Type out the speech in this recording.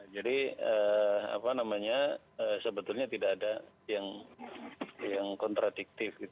sebetulnya tidak ada yang kontradiktif